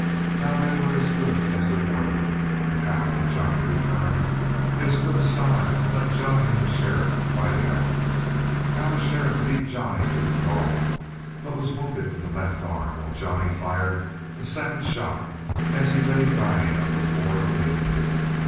How they were as good as their word and how, when Johnny returned, they stood aside and let Johnny and the sheriff fight it out. How the sheriff beat Johnny to the draw, but was wounded in the left arm while Johnny fired a second shot as he lay dying on the floor of the lean to.